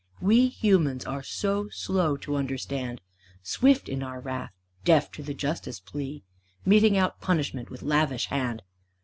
We humans are so slow to understand! Swift in our wrath, deaf to the justice plea, Meting out punishment with lavish hand!